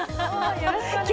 よろしくお願いします。